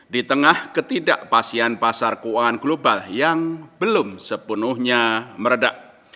di tengah ketidakpastian pasar keuangan global yang belum sepenuhnya meredah